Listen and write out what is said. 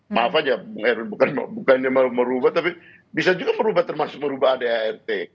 maaf aja bukan merubah tapi bisa juga merubah termasuk merubah adart